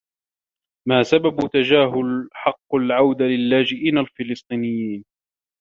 ما سبب تجاهل حقّ العودة للاجئين الفلسطينيين؟